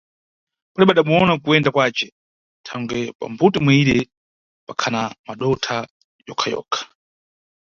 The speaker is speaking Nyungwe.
Palibe adamuyona kuyenda kwace, thangwe pambuto imweyire pakhana madotha yokha-yokha.